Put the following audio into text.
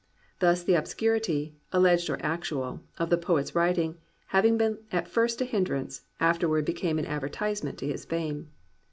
Thus the obscurity, alleged or actual, of the poet's writing, having been at first a hindrance, afterward became an advertisement to his fame.